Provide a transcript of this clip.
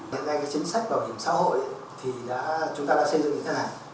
về cái chính sách bảo hiểm xã hội thì chúng ta đã xây dựng như thế này